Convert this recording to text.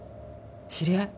知り合い？